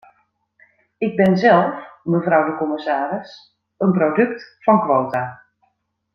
Ik ben zelf, mevrouw de commissaris, een product van quota.